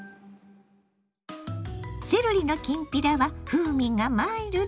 セロリのきんぴらは風味がマイルド。